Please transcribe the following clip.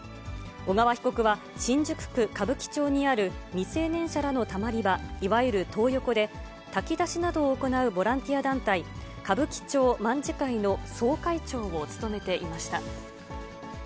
小川被告は、新宿区歌舞伎町にある未成年者らのたまり場、いわゆるトー横で、炊き出しなどを行うボランティア団体、歌舞伎町卍会の総会長を務めていました。